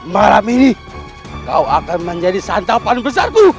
malam ini kau akan menjadi santapan besarku